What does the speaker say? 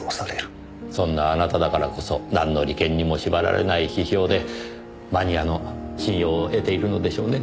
そんなあなただからこそなんの利権にも縛られない批評でマニアの信用を得ているのでしょうね。